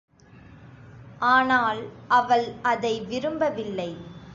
ஆனால் அவள் அதை விரும்பவில்லை.